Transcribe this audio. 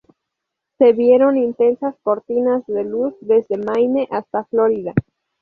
Se vieron intensas cortinas de luz, desde Maine hasta Florida.